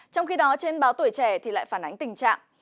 trong khi đó trên báo tuổi trẻ thì lại phản ánh tình trạng